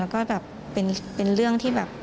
แล้วก็แบบเป็นเรื่องที่แบบ